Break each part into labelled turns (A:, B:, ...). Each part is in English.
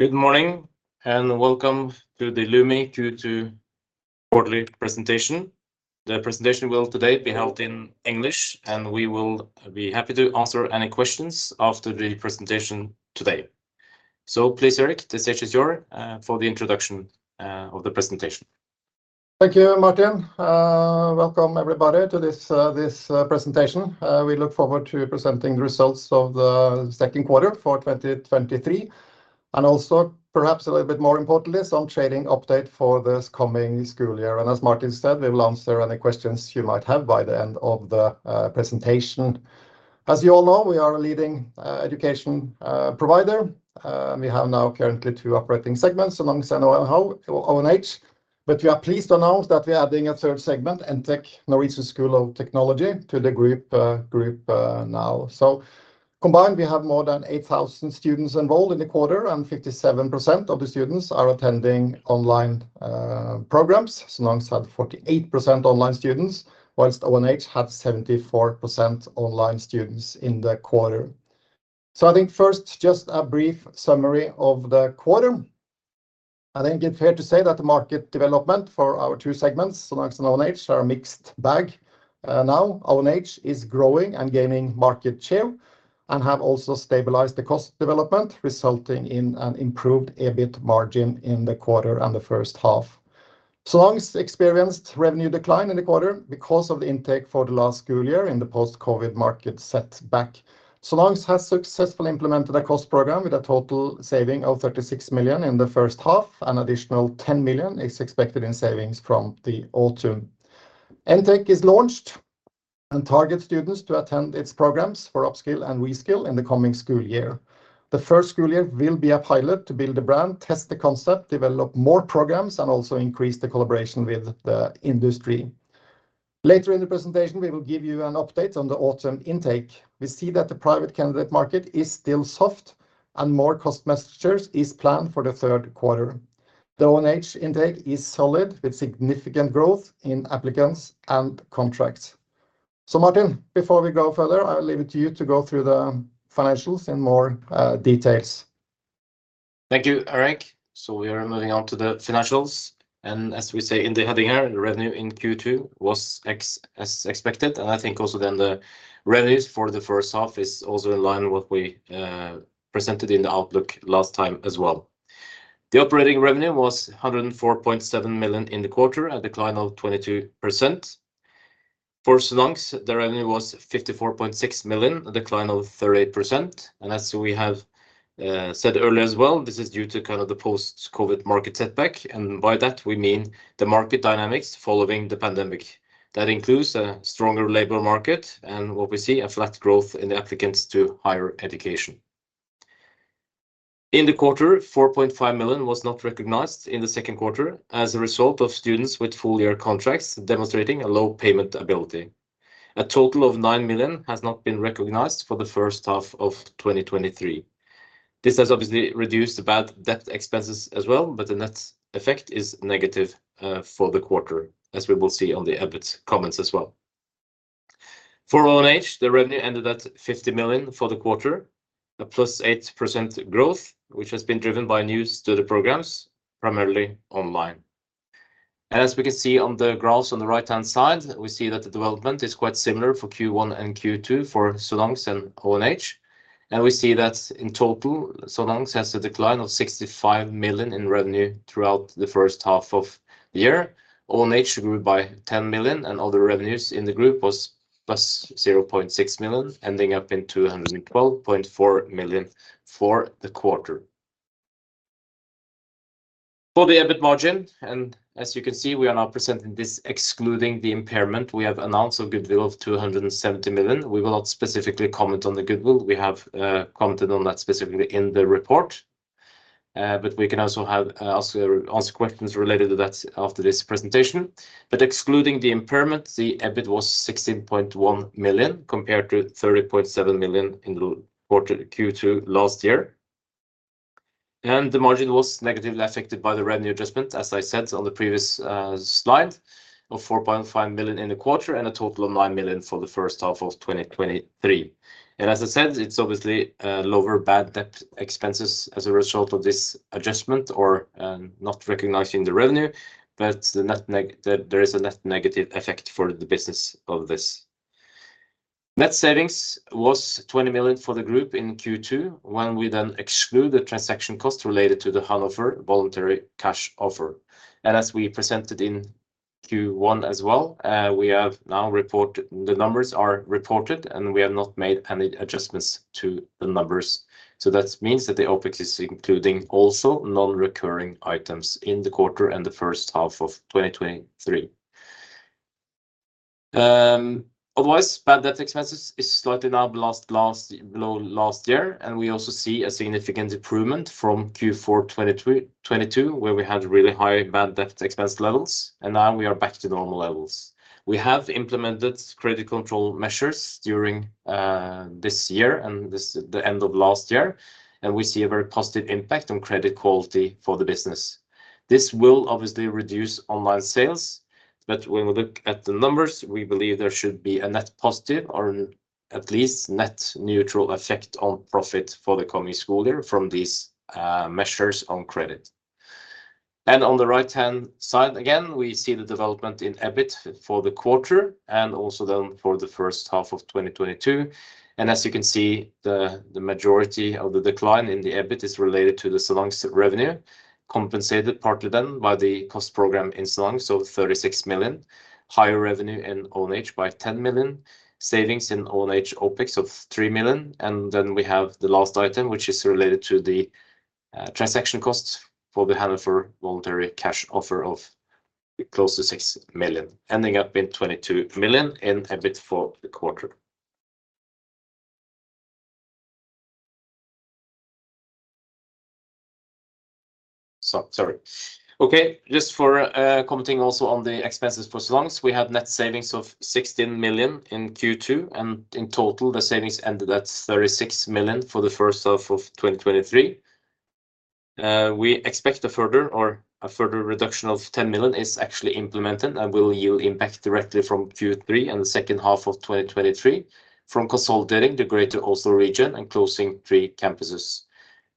A: Good morning, and welcome to the Lumi Q2 quarterly presentation. The presentation will today be held in English, and we will be happy to answer any questions after the presentation today. Please, Erik, the stage is yours for the introduction of the presentation.
B: Thank you, Martin. Welcome everybody to this, this presentation. We look forward to presenting the results of the second quarter for 2023, and also perhaps a little bit more importantly, some trading update for this coming school year. As Martin said, we will answer any questions you might have by the end of the presentation. As you all know, we are a leading education provider, and we have now currently two operating segments, Sonans and ONH. We are pleased to announce that we are adding a third segment, NTech, Norwegian School of Technology, to the group now. Combined, we have more than 8,000 students enrolled in the quarter, and 57% of the students are attending online programs. Sonans had 48% online students, whilst ONH had 74% online students in the quarter. I think first, just a brief summary of the quarter. I think it's fair to say that the market development for our two segments, Sonans and ONH, are a mixed bag. Now ONH is growing and gaining market share and have also stabilized the cost development, resulting in an improved EBIT margin in the quarter and the first half. Sonans experienced revenue decline in the quarter because of the intake for the last school year in the post-COVID market set back. Sonans has successfully implemented a cost program with a total saving of 36 million in the first half. An additional 10 million is expected in savings from the autumn. NTech is launched and targets students to attend its programs for upskill and reskill in the coming school year. The first school year will be a pilot to build the brand, test the concept, develop more programs, and also increase the collaboration with the industry. Later in the presentation, we will give you an update on the autumn intake. We see that the private candidate market is still soft, and more cost measures is planned for Q3. The ONH intake is solid, with significant growth in applicants and contracts. Martin, before we go further, I will leave it to you to go through the financials in more details.
A: Thank you, Erik. We are moving on to the financials, and as we say in the heading here, the revenue in Q2 was as expected, and I think also then the revenues for the first half is also in line with what we presented in the outlook last time as well. The operating revenue was 104.7 million in the quarter, a decline of 22%. For Sonans, the revenue was 54.6 million, a decline of 38%, and as we have said earlier as well, this is due to kind of the post-COVID market setback. By that, we mean the market dynamics following the pandemic. That includes a stronger labor market and what we see, a flat growth in the applicants to higher education. In the quarter, 4.5 million was not recognized in the second quarter as a result of students with full year contracts demonstrating a low payment ability. A total of 9 million has not been recognized for the first half of 2023. This has obviously reduced the bad debt expenses as well, but the net effect is negative for the quarter, as we will see on the EBIT comments as well. For ONH, the revenue ended at 50 million for the quarter, a +8% growth, which has been driven by news to the programs, primarily online. As we can see on the graphs on the right-hand side, we see that the development is quite similar for Q1 and Q2 for Sonans and ONH. We see that in total, Sonans has a decline of 65 million in revenue throughout the first half of the year. ONH grew by 10 million, and other revenues in the group was plus 0.6 million, ending up in 212.4 million for the quarter. For the EBIT margin, and as you can see, we are now presenting this excluding the impairment. We have announced a goodwill of 270 million. We will not specifically comment on the goodwill. We have commented on that specifically in the report, but we can also have answer questions related to that after this presentation. Excluding the impairment, the EBIT was 16.1 million, compared to 30.7 million in the quarter Q2 last year, and the margin was negatively affected by the revenue adjustment, as I said on the previous slide, of 4.5 million in the quarter and a total of 9 million for the first half of 2023. As I said, it's obviously a lower bad debt expenses as a result of this adjustment or, not recognizing the revenue, but there is a net negative effect for the business of this. Net savings was 20 million for the group in Q2, when we then exclude the transaction cost related to the Hanover voluntary cash offer. As we presented in Q1 as well, we have now reported... The numbers are reported, and we have not made any adjustments to the numbers. That means that the OpEx is including also non-recurring items in the quarter and the first half of 2023. Otherwise, bad debt expenses is slightly down last, last, low last year, and we also see a significant improvement from Q4 2022, where we had really high bad debt expense levels, and now we are back to normal levels. We have implemented credit control measures during this year and this, the end of last year, and we see a very positive impact on credit quality for the business. This will obviously reduce online sales, but when we look at the numbers, we believe there should be a net positive or at least net neutral effect on profit for the coming school year from these measures on credit.... On the right-hand side, again, we see the development in EBIT for the quarter and also then for the first half of 2022. As you can see, the, the majority of the decline in the EBIT is related to the Sonans' revenue, compensated partly then by the cost program in Sonans, so 36 million. Higher revenue in ONH by 10 million, savings in ONH OpEx of 3 million, and then we have the last item, which is related to the transaction costs for the Hanover voluntary cash offer of close to 6 million, ending up in 22 million in EBIT for the quarter. Sorry. Okay, just for commenting also on the expenses for Sonans. We had net savings of 16 million in Q2, and in total, the savings ended at 36 million for the first half of 2023. We expect a further or a further reduction of 10 million is actually implemented and will yield impact directly from Q3 and the second half of 2023 from consolidating the Greater Oslo region and closing three campuses.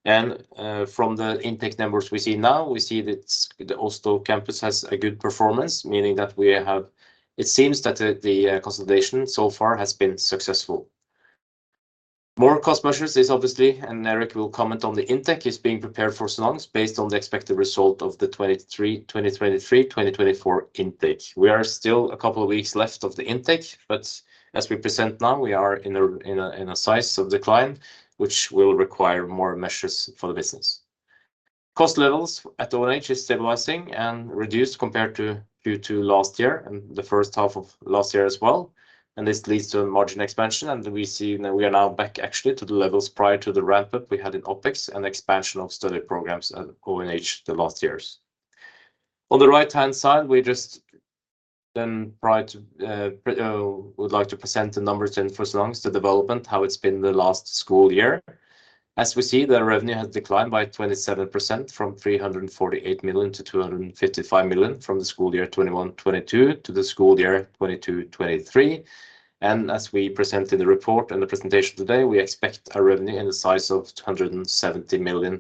A: From the intake numbers we see now, we see that the Oslo campus has a good performance, meaning that it seems that the consolidation so far has been successful. More cost measures is obviously, and Erik will comment on the intake, is being prepared for Sonans based on the expected result of the 2023, 2023-2024 intake. We are still a couple of weeks left of the intake, but as we present now, we are in a size of decline, which will require more measures for the business. Cost levels at ONH is stabilizing and reduced compared to Q2 last year and the first half of last year as well, and this leads to a margin expansion, and we see that we are now back actually to the levels prior to the ramp-up we had in OpEx and expansion of study programs at ONH the last years. On the right-hand side, we just then try to, would like to present the numbers in for Sonans, the development, how it's been the last school year. As we see, the revenue has declined by 27%, from 348 million to 255 million, from the school year 2021, 2022 to the school year 2022, 2023. As we present in the report and the presentation today, we expect a revenue in the size of 270 million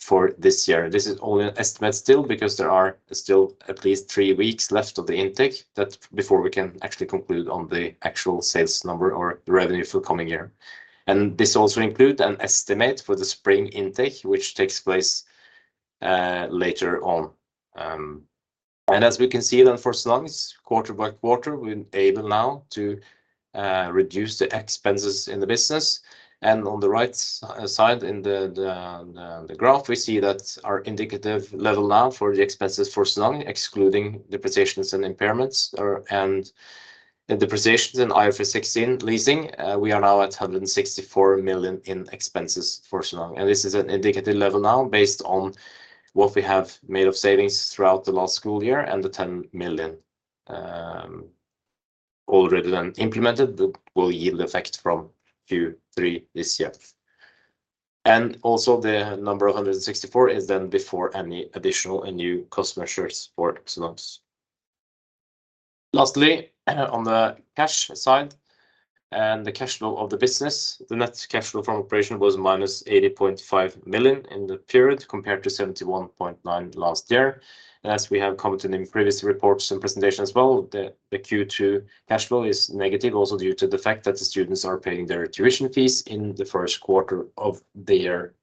A: for this year. This is only an estimate still, because there are still at least three weeks left of the intake. That's before we can actually conclude on the actual sales number or the revenue for coming year. This also include an estimate for the spring intake, which takes place later on. As we can see then for Sonans, quarter by quarter, we're able now to reduce the expenses in the business. On the right side, in the graph, we see that our indicative level now for the expenses for Sonans, excluding the positions and impairments, and the positions in IFRS 16 leasing, we are now at 164 million in expenses for Sonans, and this is an indicative level now based on what we have made of savings throughout the last school year and the 10 million already then implemented that will yield effect from Q3 this year. Also the number of 164 is then before any additional and new cost measures for Sonans. Lastly, on the cash side and the cash flow of the business, the net cash flow from operation was -80.5 million in the period, compared to 71.9 million last year. As we have commented in previous reports and presentations as well, the Q2 cash flow is negative also due to the fact that the students are paying their tuition fees in the first quarter of the year.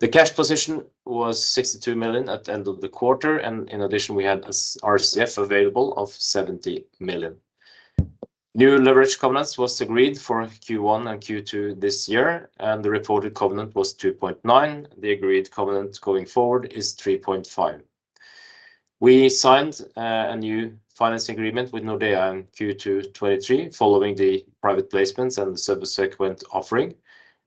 A: The cash position was 62 million at the end of the quarter, and in addition, we had a RCF available of 70 million. New leverage covenants was agreed for Q1 and Q2 this year, and the reported covenant was 2.9. The agreed covenant going forward is 3.5. We signed a new financing agreement with Nordea in Q2 2023, following the private placements and the subsequent offering,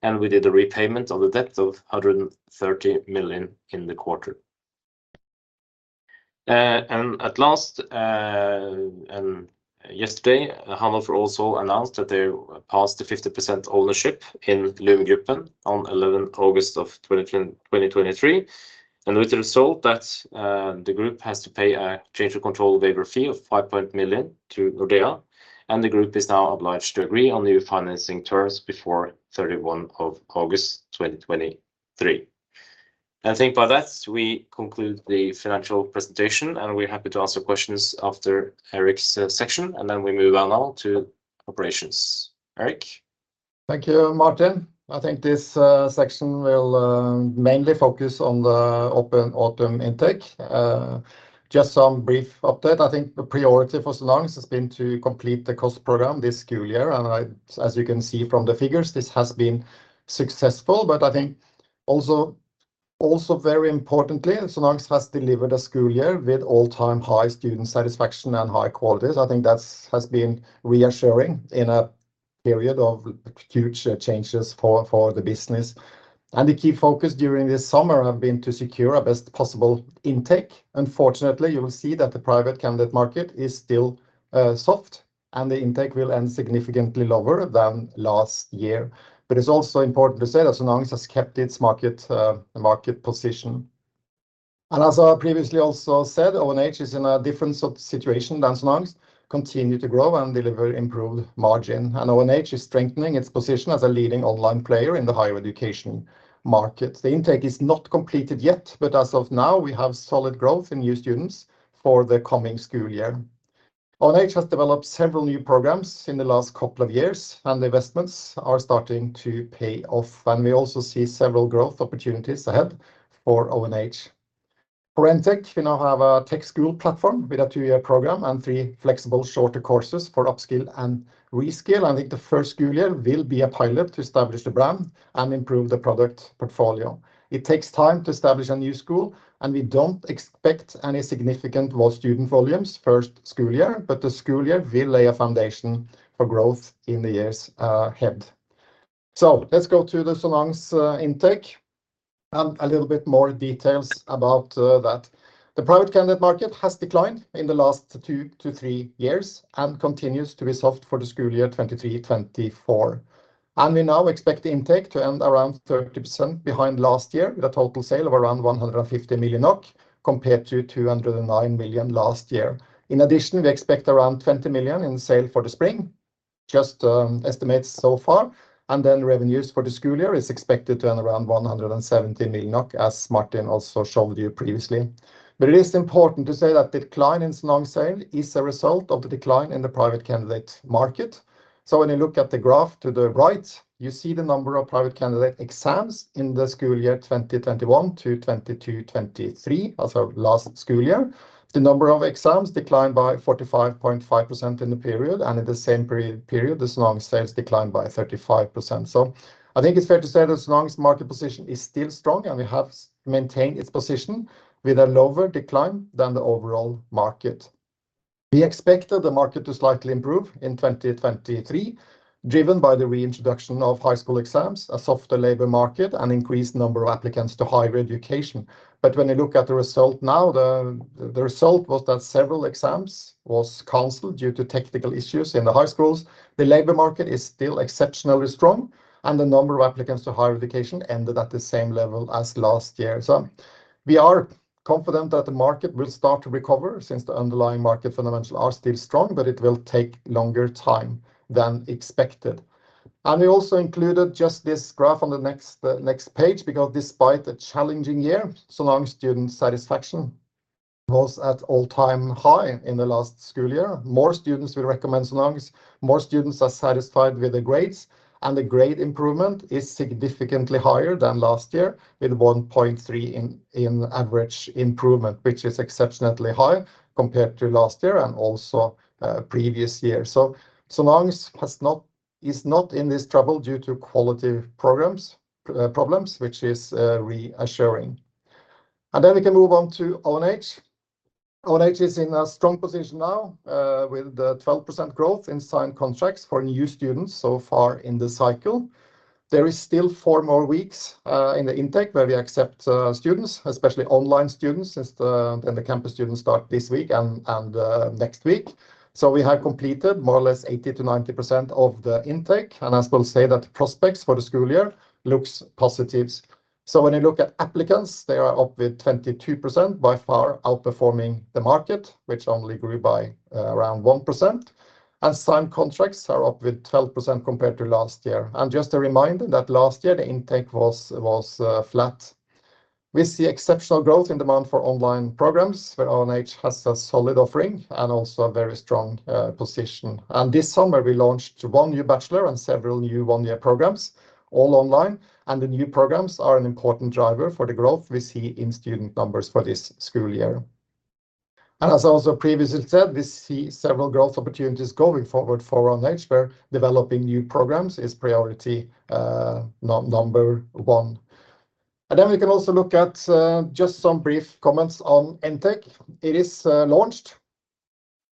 A: and we did a repayment on the debt of 130 million in the quarter. At last, yesterday, Hanover also announced that they passed the 50% ownership in Lumi Gruppen on August 11, 2023, with the result that, the group has to pay a change of control waiver fee of 5 million to Nordea. The group is now obliged to agree on new financing terms before August 31, 2023. I think by that, we conclude the financial presentation. We're happy to answer questions after Erik's section. We move on now to operations. Erik?
B: Thank you, Martin. I think this section will mainly focus on the open autumn intake. Just some brief update. I think the priority for Sonans has been to complete the cost program this school year, and as you can see from the figures, this has been successful. I think also, also very importantly, Sonans has delivered a school year with all-time high student satisfaction and high qualities. I think that's has been reassuring in a period of huge changes for, for the business. The key focus during this summer have been to secure a best possible intake. Unfortunately, you will see that the private candidate market is still soft, and the intake will end significantly lower than last year. It's also important to say that Sonans has kept its market market position. As I previously also said, ONH is in a different sort of situation than Sonans, continue to grow and deliver improved margin, and ONH is strengthening its position as a leading online player in the higher education market. The intake is not completed yet. As of now, we have solid growth in new students for the coming school year. ONH has developed several new programs in the last couple of years. The investments are starting to pay off. We also see several growth opportunities ahead for ONH. For NTech, we now have a tech school platform with a 2-year program and 3 flexible shorter courses for upskill and reskill. The first school year will be a pilot to establish the brand and improve the product portfolio. It takes time to establish a new school, we don't expect any significant more student volumes first school year, but the school year will lay a foundation for growth in the years ahead. Let's go to the Sonans' intake, a little bit more details about that. The private candidate market has declined in the last two to three years and continues to be soft for the school year, 2023-2024. We now expect the intake to end around 30% behind last year, with a total sale of around 150 million NOK, compared to 209 million NOK last year. In addition, we expect around 20 million in sale for the spring, just estimates so far, and then revenues for the school year is expected to earn around 170 million NOK, as Martin also showed you previously. It is important to say that the decline in Sonans's sale is a result of the decline in the private candidate market. When you look at the graph to the right, you see the number of private candidate exams in the school year, 2021 to 2023, also last school year. The number of exams declined by 45.5% in the period, and in the same peri-period, the Sonans sales declined by 35%. I think it's fair to say that Sonans's market position is still strong, and we have maintained its position with a lower decline than the overall market. We expected the market to slightly improve in 2023, driven by the reintroduction of high school exams, a softer labor market, and increased number of applicants to higher education. When you look at the result now, the result was that several exams was canceled due to technical issues in the high schools. The labor market is still exceptionally strong, and the number of applicants to higher education ended at the same level as last year. We are confident that the market will start to recover since the underlying market fundamentals are still strong, but it will take longer time than expected. We also included just this graph on the next page, because despite the challenging year, Sonans student satisfaction was at all-time high in the last school year. More students will recommend Sonans, more students are satisfied with the grades, the grade improvement is significantly higher than last year, with 1.3 in, in average improvement, which is exceptionally high compared to last year and also previous years. Sonans is not in this trouble due to quality programs, problems, which is reassuring. Then we can move on to ONH. ONH is in a strong position now, with the 12% growth in signed contracts for new students so far in the cycle. There is still 4 more weeks in the intake where we accept students, especially online students, since then the campus students start this week and next week. We have completed more or less 80%-90% of the intake, and I will say that the prospects for the school year looks positives. When you look at applicants, they are up with 22%, by far outperforming the market, which only grew by around 1%. Signed contracts are up with 12% compared to last year. Just a reminder that last year, the intake was, was flat. We see exceptional growth in demand for online programs, where ONH has a solid offering and also a very strong position. This summer, we launched one new bachelor and several new one-year programs, all online, and the new programs are an important driver for the growth we see in student numbers for this school year. As I also previously said, we see several growth opportunities going forward for ONH, where developing new programs is priority, number one. Then we can also look at just some brief comments on NTech. It is launched,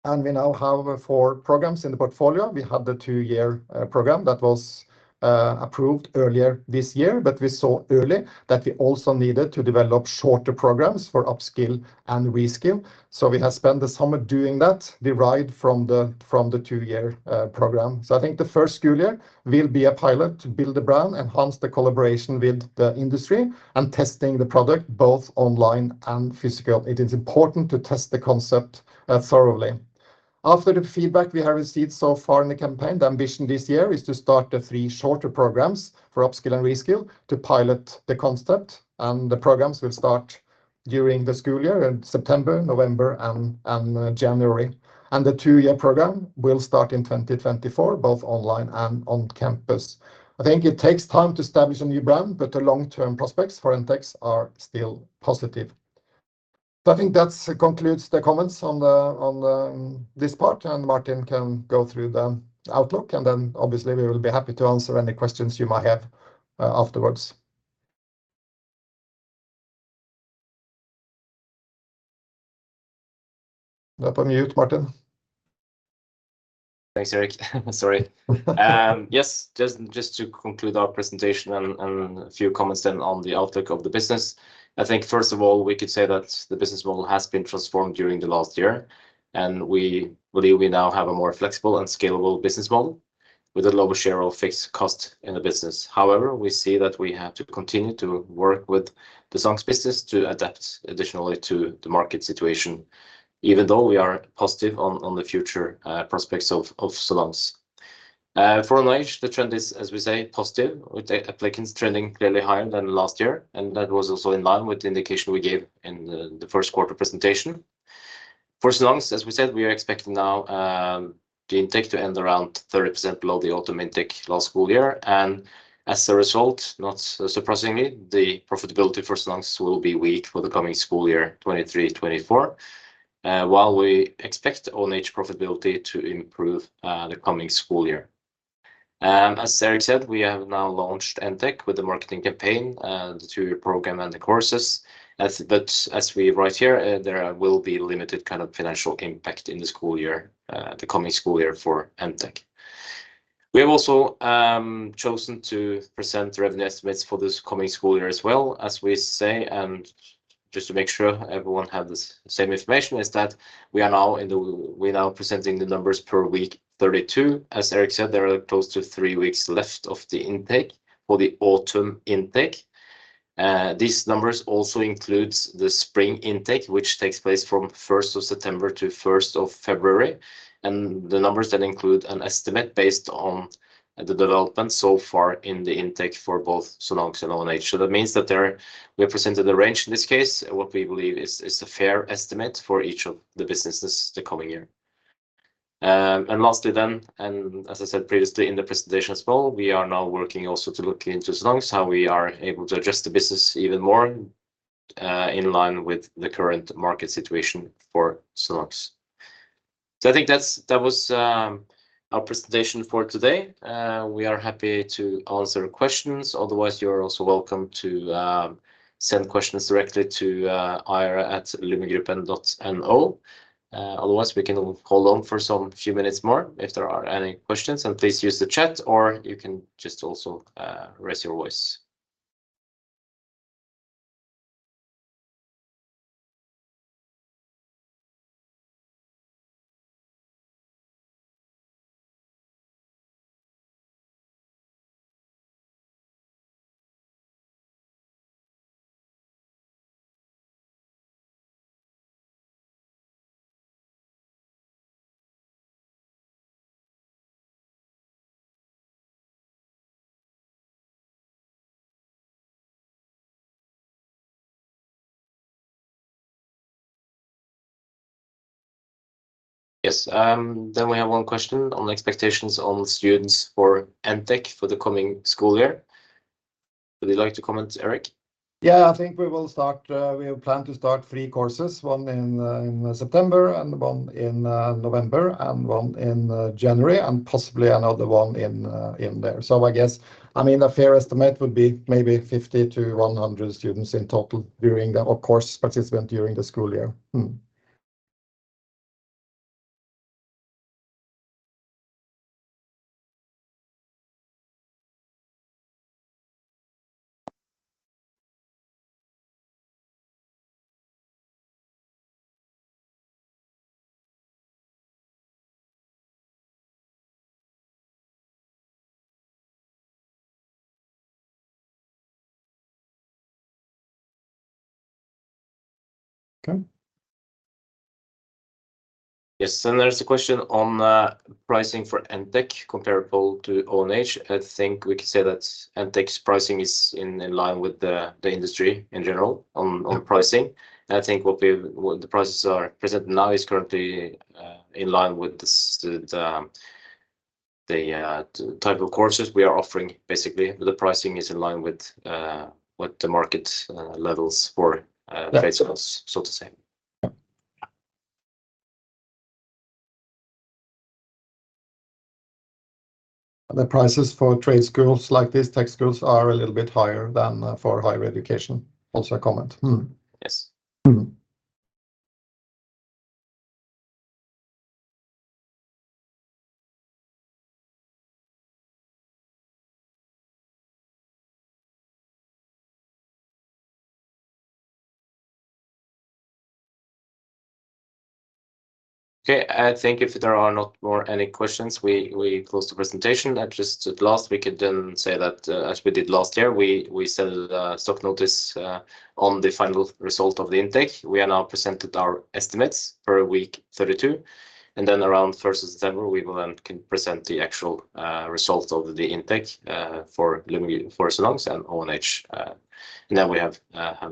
B: and we now have four programs in the portfolio. We have the two-year program that was approved earlier this year, but we saw early that we also needed to develop shorter programs for upskill and reskill. We have spent the summer doing that, derived from the, from the two-year program. I think the first school year will be a pilot to build the brand, enhance the collaboration with the industry, and testing the product both online and physical. It is important to test the concept thoroughly. After the feedback we have received so far in the campaign, the ambition this year is to start the three shorter programs for upskill and reskill to pilot the concept, and the programs will start during the school year in September, November, and January. The two-year program will start in 2024, both online and on campus. I think it takes time to establish a new brand, but the long-term prospects for NTech are still positive. I think that concludes the comments on the, on this part, and Martin can go through the outlook, and then obviously, we will be happy to answer any questions you might have afterwards. You're on mute, Martin.
A: Thanks, Erik. Sorry. Yes, just, just to conclude our presentation and, and a few comments then on the outlook of the business, I think first of all, we could say that the business model has been transformed during the last year. We believe we now have a more flexible and scalable business model with a lower share of fixed cost in the business. However, we see that we have to continue to work with the Sonans's business to adapt additionally to the market situation, even though we are positive on, on the future prospects of, of Sonans's. For ONH, the trend is, as we say, positive, with the applicants trending clearly higher than last year. That was also in line with the indication we gave in the, the first quarter presentation. For Sonans, as we said, we are expecting now, the intake to end around 30% below the autumn intake last school year. As a result, not surprisingly, the profitability for Sonans will be weak for the coming school year, 2023, 2024. While we expect ONH profitability to improve, the coming school year. As Erik said, we have now launched NTech with the marketing campaign, and the 2-year program and the courses. As we write here, there will be limited kind of financial impact in the school year, the coming school year for NTech. We have also chosen to present the revenue estimates for this coming school year as well, as we say, and just to make sure everyone have the same information, is that we're now presenting the numbers per Week 32. As Erik said, there are close to three weeks left of the intake for the autumn intake. These numbers also includes the spring intake, which takes place from first of September to first of February, the numbers that include an estimate based on the development so far in the intake for both Sonans and ONH. That means that we have presented a range in this case, and what we believe is, is a fair estimate for each of the businesses the coming year. Lastly then, and as I said previously in the presentation as well, we are now working also to look into Sonans, how we are able to adjust the business even more in line with the current market situation for Sonans. I think that's, that was, our presentation for today. We are happy to answer questions, otherwise, you are also welcome to send questions directly to ir@lumigruppen.no. Otherwise, we can hold on for some few minutes more if there are any questions, and please use the chat, or you can just also raise your voice. Yes, we have one question on expectations on students for NTech for the coming school year. Would you like to comment, Erik?
B: Yeah, I think we will start. We plan to start three courses, one in September and one in November and one in January, and possibly another one in there. I guess, I mean, a fair estimate would be maybe 50 to 100 students in total during the, of course, participant during the school year. Okay.
A: Yes, there's a question on pricing for NTech comparable to ONH. I think we can say that NTech's pricing is in line with the, the industry in general...
B: Yeah...
A: on, on pricing. I think what we, what the prices are present now is currently in line with the type of courses we are offering. Basically, the pricing is in line with what the market levels for prices-
B: Yeah...
A: so to say.
B: Yeah. The prices for trade schools, like these tech schools, are a little bit higher than, for higher education. Also, a comment.
A: Yes.
B: Mm.
A: Okay, I think if there are not more any questions, we close the presentation. Just at last, we can then say that, as we did last year, we send a stock notice on the final result of the intake. We are now presented our estimates for Week 32, then around 1st of December, we will then can present the actual results of the intake for Lumi Gruppen, for Sonans and ONH, and then we have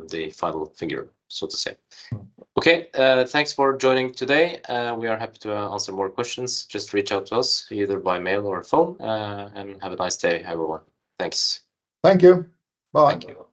A: the final figure, so to say.
B: Mm.
A: Okay, thanks for joining today. We are happy to answer more questions. Just reach out to us, either by mail or phone. Have a nice day, everyone. Thanks.
B: Thank you. Bye.
A: Thank you.